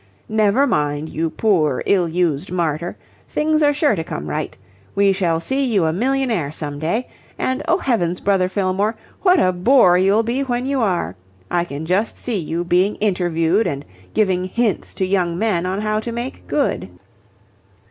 "Never mind, you poor ill used martyr. Things are sure to come right. We shall see you a millionaire some day. And, oh heavens, brother Fillmore, what a bore you'll be when you are! I can just see you being interviewed and giving hints to young men on how to make good.